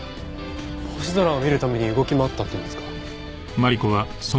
星空を見るために動き回ったっていうんですか？